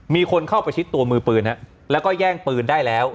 มีคนเข้าไปชิดตัวมือปืนแล้วก็แย่งปืนได้แล้ว